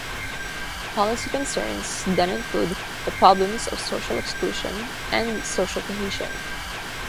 Policy concerns then include the problems of social exclusion and social cohesion.